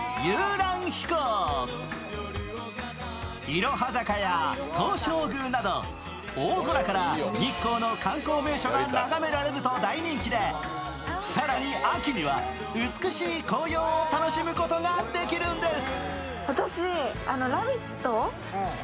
いろは坂や東照宮など大空から日光の観光名所が眺められると大人気で更に、秋には美しい紅葉を楽しむことができるんです。